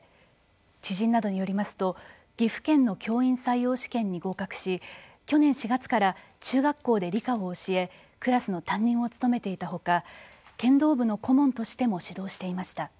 知人などによりますと岐阜県の教員採用試験に合格し去年４月から中学校で理科を教えクラスの担任を務めていたほか剣道部の顧問としても指導していました。